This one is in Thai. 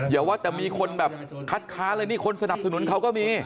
อย่าว่าแต่มีคนแบบคัดค้านเลยนี่คนสนับสนุนเขาก็มี